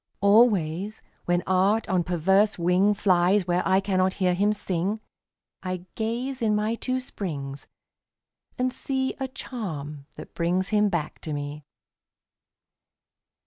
Always, when Art on perverse wing Flies where I cannot hear him sing, I gaze in my two springs and see A charm that brings him back to me.